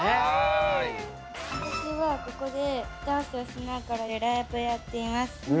私はここでダンスをしながらライブをやっています。